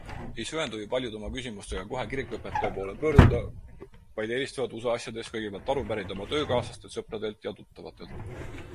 Ei söanda ju paljud oma küsimustega kohe kirikuõpetaja poole pöörduda, vaid eelistavad usuasjades kõigepealt aru pärida oma töökaaslastelt, sõpradelt ja tuttavatelt.